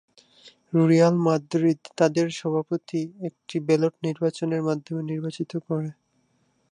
Real Madrid তাদের সভাপতি একটি ব্যালট নির্বাচনের মাধ্যমে নির্বাচিত করে।